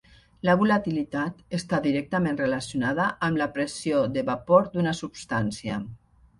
La volatilitat està directament relacionada amb la pressió de vapor d'una substància.